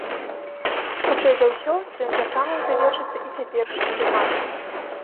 Хутчэй за ўсё, тым жа самым завершыцца і цяперашні дэмарш.